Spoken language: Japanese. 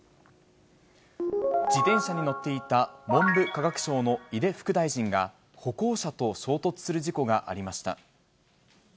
自転車に乗っていた、文部科学省の井出副大臣が、歩行者と衝突する事故がありました。